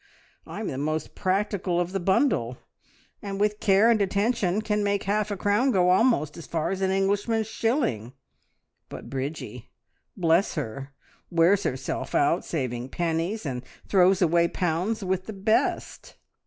I'm the most practical of the bundle, and with care and attention can make half a crown go almost as far as an Englishman's shilling; but Bridgie, bless her! wears herself out saving pennies, and throws away pounds with the best.